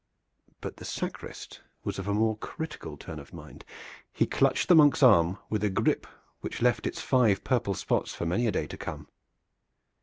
But the sacrist was of a more critical turn of mind. He clutched the monk's arm with a grip which left its five purple spots for many a day to come.